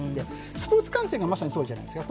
スポーツ観戦がまさにそうじゃないですか。